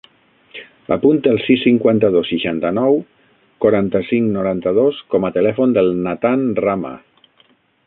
Apunta el sis, cinquanta-dos, seixanta-nou, quaranta-cinc, noranta-dos com a telèfon del Nathan Rama.